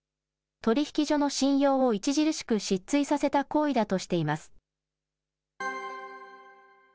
取引所の信用を著しく失墜させた行為だとしています。